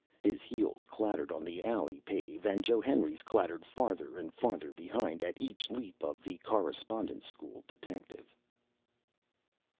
His heels clattered on the alley pave, and Joe Henry's clattered farther and farther behind at each leap of the Correspondence School detective.